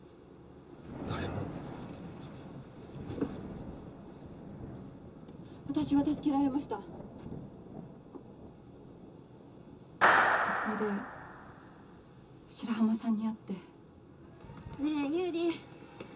誰も私は助けられました学校で白浜さんに会ってねえ百合